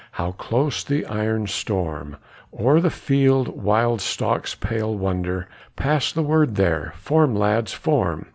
how close the iron storm, O'er the field wild stalks pale wonder, Pass the word there, form, lads, form.